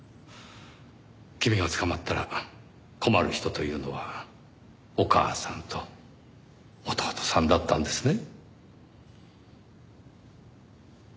君が捕まったら困る人というのはお母さんと弟さんだったんですね。